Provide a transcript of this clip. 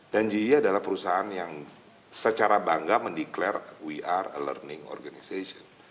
dan ge adalah perusahaan yang secara bangga mendeclare we are a learning organization